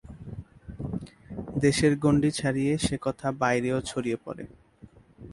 দেশের গণ্ডি ছাড়িয়ে সে কথা বাইরেও ছড়িয়ে পড়ে।